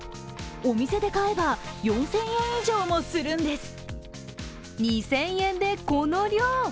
お店で買えば４０００円以上もするんです。